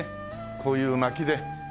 こういう薪で。